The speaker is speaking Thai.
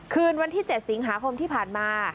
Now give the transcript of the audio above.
คืนวันที่๗สิงหาคมที่ผ่านมา